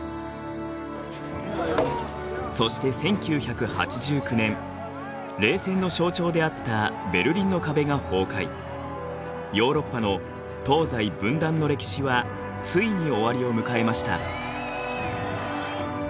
そして１９８９年冷戦の象徴であったヨーロッパの東西分断の歴史はついに終わりを迎えました。